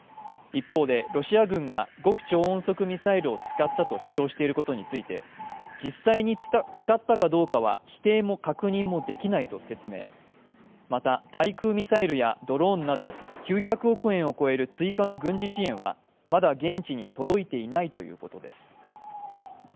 一方で、ロシア軍が極超音速ミサイルを使ったと主張していることについて、実際に使ったかどうかは否定も確認もできないと説明、また、対空ミサイルやドローンなど９００億円を超える追加の軍事支援はまだ現地に届いていないということです。